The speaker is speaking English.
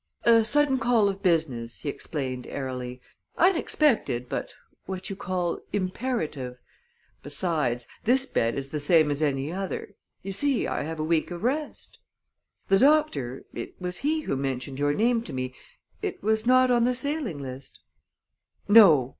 "A sudden call of business," he explained airily; "unexpected but what you call imperative. Besides, this bed is the same as any other. You see, I have a week of rest." "The doctor it was he who mentioned your name to me it was not on the sailing list " "No."